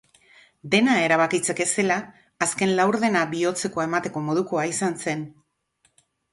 Dena erabakitzeke zela, azken laurdena bihotzekoa emateko modukoa izan zen.